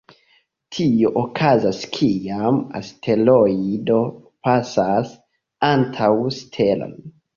Tio okazas kiam asteroido pasas antaŭ stelon.